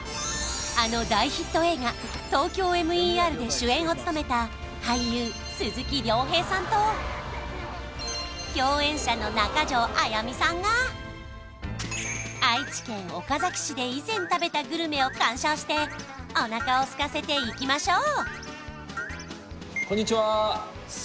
あの大ヒット映画「ＴＯＫＹＯＭＥＲ」で主演を務めた俳優鈴木亮平さんと共演者の中条あやみさんが愛知県岡崎市で以前食べたグルメを鑑賞しておなかをすかせていきましょう！